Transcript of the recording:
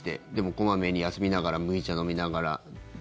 小まめに休みながら麦茶飲みながら。